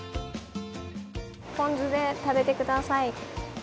ポン酢で食べて下さい。